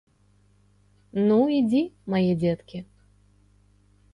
Ну, ідзі, мае дзеткі!